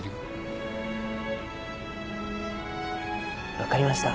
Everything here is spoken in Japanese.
分かりました。